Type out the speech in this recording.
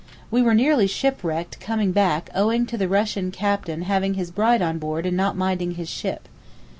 We were nearly shipwrecked coming back owing to the Russian captain having his bride on board and not minding his ship.